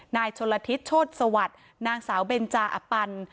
นายชนละทิศโชธสวัสดิ์นางสาวเบนจาอปัน